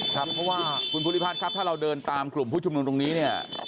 ครับเพราะว่าคุณภูริพัฒน์ครับถ้าเราเดินตามกลุ่มผู้ชุมนุมตรงนี้เนี่ย